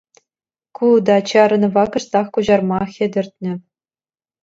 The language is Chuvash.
Ку та чарӑнӑва кӑштах куҫарма хӗтӗртнӗ.